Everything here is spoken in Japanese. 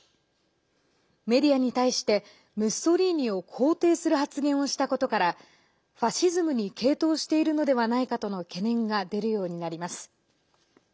メディアに対してムッソリーニを肯定する発言をしたことからファシズムに傾倒しているのではないかとの懸念が出るようになります。